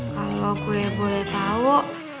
kalau gue boleh tahu